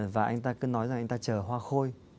và anh ta cứ nói rằng anh ta chờ hoa khôi